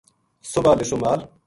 صبح لِسو مال